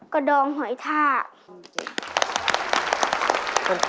กระดองหอยทากระดองหอยทา